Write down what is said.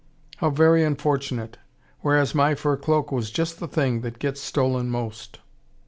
"How very unfortunate! Whereas my fur cloak was just the thing that gets stolen most."